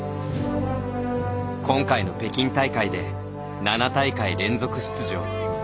今回の北京大会で７大会連続出場。